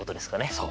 そう。